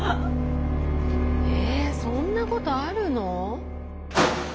えそんなことあるの？